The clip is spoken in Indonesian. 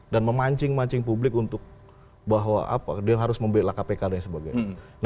dan memancing mancing publik untuk bahwa apa dia harus membela kpk dan sebagainya